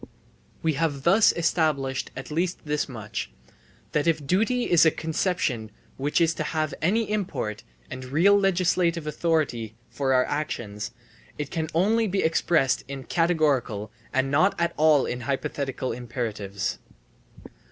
We have thus established at least this much, that if duty is a conception which is to have any import and real legislative authority for our actions, it can only be expressed in categorical and not at all in hypothetical imperatives.